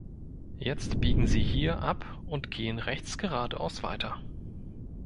Jetzt biegen Sie hier ab und gehen rechts geradeaus weiter.